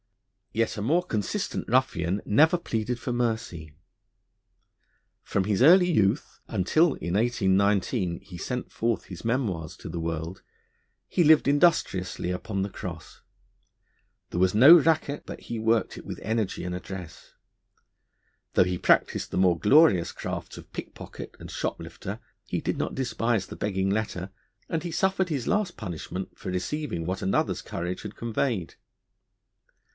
Yet a more consistent ruffian never pleaded for mercy. From his early youth until in 1819 he sent forth his Memoirs to the world, he lived industriously upon the cross. There was no racket but he worked it with energy and address. Though he practised the more glorious crafts of pickpocket and shoplifter, he did not despise the begging letter, and he suffered his last punishment for receiving what another's courage had conveyed.